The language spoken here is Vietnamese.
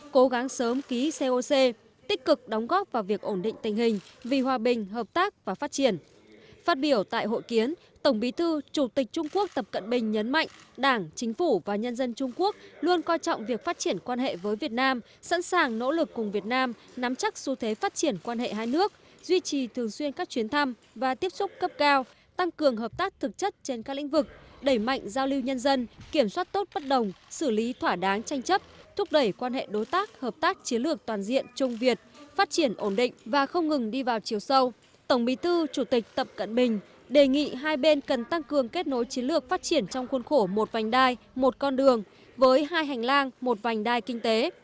chủ tịch tập cận bình đề nghị hai bên cần tăng cường kết nối chiến lược phát triển trong khuôn khổ một vành đai một con đường với hai hành lang một vành đai kinh tế